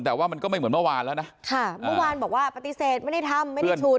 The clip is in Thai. แต่ว่ามันก็ไม่เหมือนเมื่อวานแล้วนะค่ะเมื่อวานบอกว่าปฏิเสธไม่ได้ทำไม่ได้ฉุด